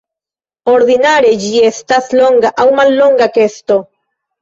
Ordinare ĝi estas longa aŭ mallonga kesto.